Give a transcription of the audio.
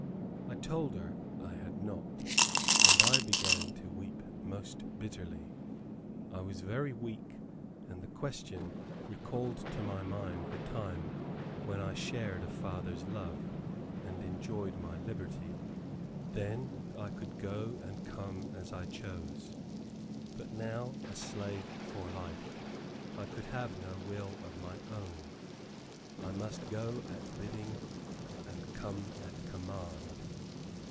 I told her I had not, and I began to weep most bitterly. I was very weak, and the question recalled to my mind the time when I shared a father's love, and enjoyed my liberty. Then, I could go and come as I chose, but now, a slave for life, I could have no will of my own, I must go at bidding, and come at command.